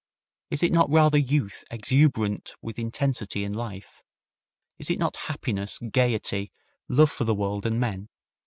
Is it not rather youth exuberant with intensity and life? Is it not happiness, gayety, love for the world and men?